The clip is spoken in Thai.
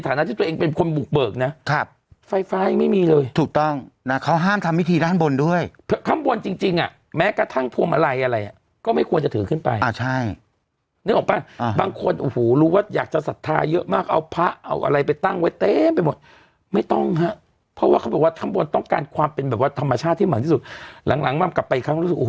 ถูกนะครับผมส่วนใบก็ส่วนใหญ่ก็ต้มน้ำก็ได้